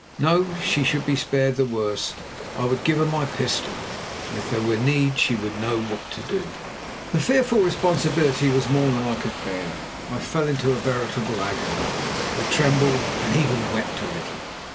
No, she should be spared the worst. I would give her my pistol, and if there were need she would know what to do. The fearful responsibility was more than I could bear. I fell into a veritable agony; I trembled and even wept a little.